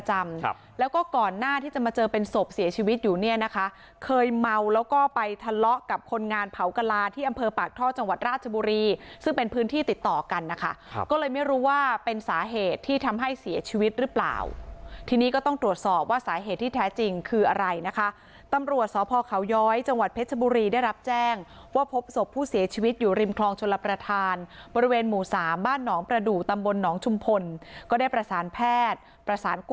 เจอเป็นศพเสียชีวิตอยู่เนี่ยนะคะเคยเมาแล้วก็ไปทะเลาะกับคนงานเผากระลาดที่อำเภอปากท่อจังหวัดราชบุรีซึ่งเป็นพื้นที่ติดต่อกันนะคะก็เลยไม่รู้ว่าเป็นสาเหตุที่ทำให้เสียชีวิตหรือเปล่าทีนี้ก็ต้องตรวจสอบว่าสาเหตุที่แท้จริงคืออะไรนะคะตำรวจศพเขาย้อยจังหวัดเพชรบุรีได้รับแจ้งว่าพบศพ